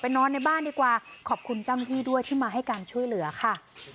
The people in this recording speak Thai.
นอนในบ้านดีกว่าขอบคุณเจ้าหน้าที่ด้วยที่มาให้การช่วยเหลือค่ะ